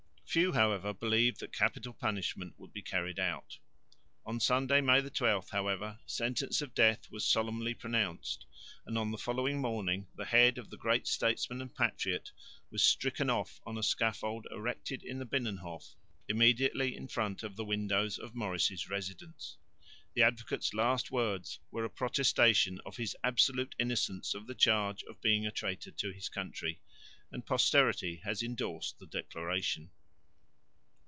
Few, however, believed that capital punishment would be carried out. On Sunday, May 12, however, sentence of death was solemnly pronounced; and on the following morning the head of the great statesman and patriot was stricken off on a scaffold erected in the Binnenhof immediately in front of the windows of Maurice's residence. The Advocate's last words were a protestation of his absolute innocence of the charge of being a traitor to his country; and posterity has endorsed the declaration.